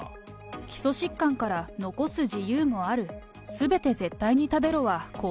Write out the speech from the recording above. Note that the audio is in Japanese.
基礎疾患から残す自由もある。